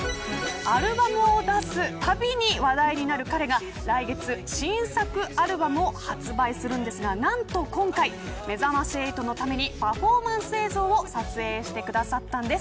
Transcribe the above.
アルバムを出すたびに話題になる彼が、来月新作アルバムを発売するんですが何と今回、めざまし８のためにパフォーマンス映像を撮影してくださったんです。